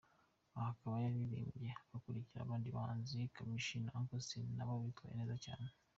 Aha akaba yararirimbye akurikira abandi bahanzi Kamichi na Uncle Austin nabo bitwaye neza cyane.